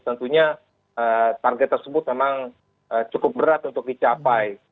tentunya target tersebut memang cukup berat untuk dicapai